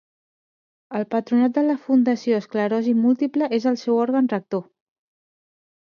El Patronat de la Fundació Esclerosi Múltiple és el seu òrgan rector.